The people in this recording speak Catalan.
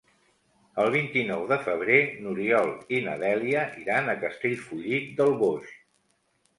El vint-i-nou de febrer n'Oriol i na Dèlia iran a Castellfollit del Boix.